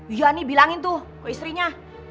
iya nih bilangin tuh ke istrinya